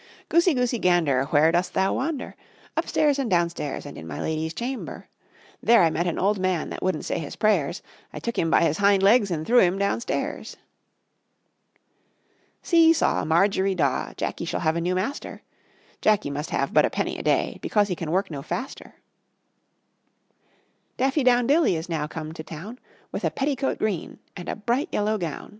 Goosey, goosey, gander, where dost thou wander? Upstairs and downstairs and in my lady's chamber; There I met an old man that wouldn't say his prayers, I took him by his hind legs and threw him downstairs. See saw, Margery Daw, Jacky shall have a new master: Jacky must have but a penny a day Because he can work no faster. Daffy down dilly is now come to town With a petticoat green and a bright yellow gown.